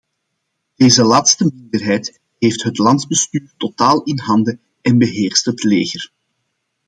Deze laatste minderheid heeft het landsbestuur totaal in handen en beheerst het leger.